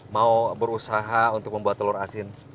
mau berusaha untuk membuat telur asin